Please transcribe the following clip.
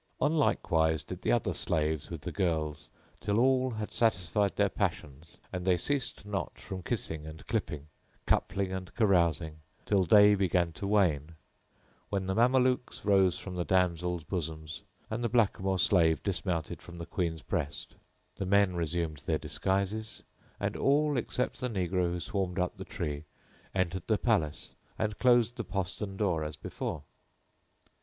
On like wise did the other slaves with the girls till all had satisfied their passions, and they ceased not from kissing and clipping, coupling and carousing till day began to wane; when the Mamelukes rose from the damsels' bosoms and the blackamoor slave dismounted from the Queen's breast; the men resumed their disguises and all, except the negro who swarmed up the tree, entered the palace and closed the postern door as before.